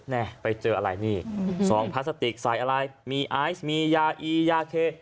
แน่ไปเจออะไรนี่สองพลาสติกไสต์อะไรมีอาย์ซมียาอียาเค